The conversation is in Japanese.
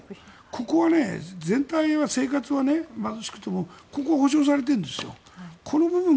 ここは全体の生活は貧しくてもここは保障されてるんですよ。